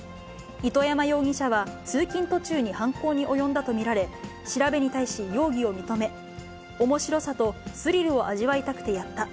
糸山容疑者は通勤途中に犯行に及んだと見られ、調べに対し容疑を認め、おもしろさとスリルを味わいたくて、やった。